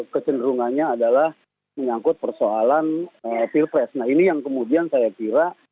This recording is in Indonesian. kecenderungannya adalah menyangkut persoalan pilpres nah ini yang kemudian saya kira